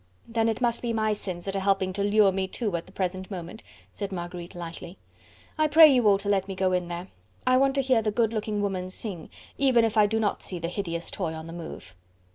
"Then it must be my sins that are helping to lure me too at the present moment," said Marguerite lightly. "I pray you all to let me go in there. I want to hear the good looking woman sing, even if I do not see the hideous toy on the move."